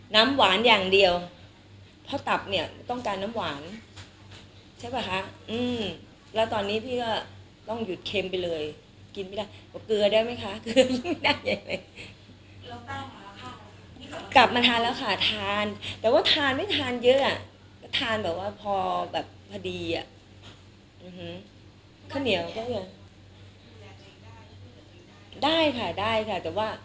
น้ำหวานอย่างเดียวพอตับเนี่ยต้องการน้ำหวานใช่ป่ะคะแล้วตอนนี้พี่ก็ต้องหยุดเค็มไปเลยกินไม่ได้เกลือได้มั้ยคะกลับมาทานแล้วค่ะทานแต่ว่าทานไม่ทานเยอะทานแบบว่าพอแบบพอดีอ่ะข้าวเหนียวก็เยอะ